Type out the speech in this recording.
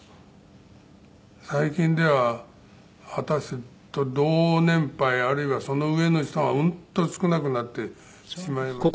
最近では私と同年配あるいはその上の人がうんと少なくなってしまいました。